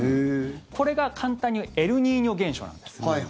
これが簡単に言うエルニーニョ現象なんです。